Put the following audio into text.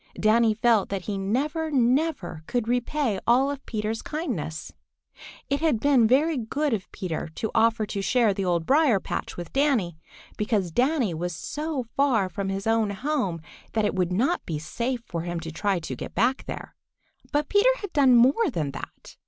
Danny felt that he never, never could repay all of Peter's kindness. It had been very good of Peter to offer to share the Old Briar patch with Danny, because Danny was so far from his own home that it would not be safe for him to try to get back there. But Peter had done more than that.